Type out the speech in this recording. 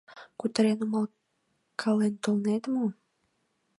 — Кутырен-умылкален толнет мо?